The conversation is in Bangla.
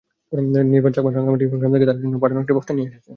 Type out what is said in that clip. নির্বাণ চাকমা রাঙামাটির গ্রাম থেকে তাঁর জন্য পাঠানো একটি বস্তা নিতে এসেছেন।